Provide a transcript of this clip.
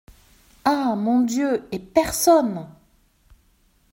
Ah ! mon Dieu, et personne !…